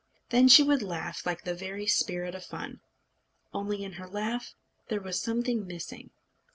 Then she would laugh like the very spirit of fun; only in her laugh there was something missing.